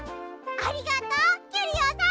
ありがとうキュリオさん！